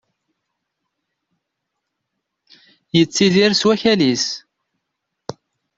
Yettidir s wakal-is.